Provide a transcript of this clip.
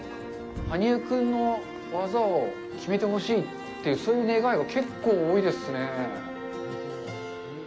羽生君の技を決めてほしいっていうそういう願いが結構多いですね。